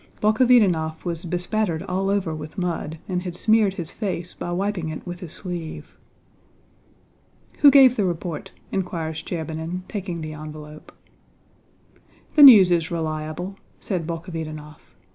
Bolkhovítinov was bespattered all over with mud and had smeared his face by wiping it with his sleeve. "Who gave the report?" inquired Shcherbínin, taking the envelope. "The news is reliable," said Bolkhovítinov.